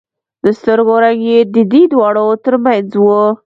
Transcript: د سترګو رنگ يې د دې دواړو تر منځ و.